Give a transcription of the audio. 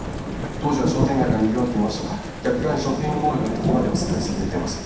当時は商店街がにぎわっていましたが逆側にショッピングモールができ今はすっかり寂れてます。